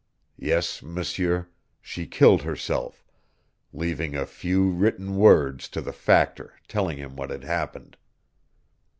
Yes, M'seur, she killed herself, leaving a few written words to the Factor telling him what had happened.